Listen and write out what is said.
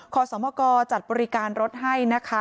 ขอสมกจัดบริการรถให้นะคะ